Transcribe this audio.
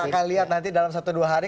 kita akan lihat nanti dalam satu dua hari